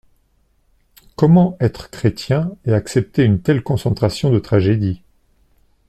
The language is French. Comment être Chrétien et accepter une telle concentration de tragédie.